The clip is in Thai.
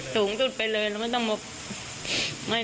สูงสุดไปเลยเราไม่ต้องมา